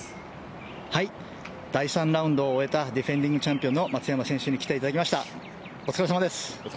第３ラウンドを終えたディフェンディングチャンピオンの松山選手にきていただきました。